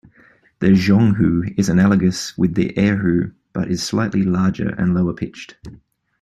The "zhonghu" is analogous with the erhu, but is slightly larger and lower pitched.